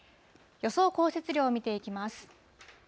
予想降雪量を見ていきます。